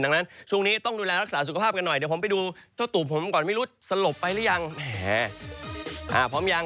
ดังนั้นช่วงนี้ต้องดูแลรักษาสุขภาพกันหน่อยเดี๋ยวผมไปดูเจ้าตูบผมก่อนไม่รู้สลบไปหรือยังแหมพร้อมยัง